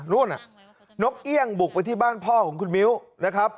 นู่นนกเอี่ยงบุกไปที่บ้านพ่อของคุณมิ้วนะครับ